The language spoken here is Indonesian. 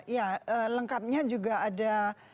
ya lengkapnya juga ada